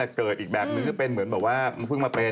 ไม่เป็นเกิดอีกแบบมันคือเป็นเดียวว่าเพิ่งมาเป็น